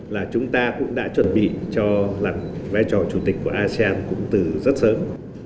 là chúng ta cũng đã chuẩn bị cho vai trò chủ tịch của asean cũng từ rất sớm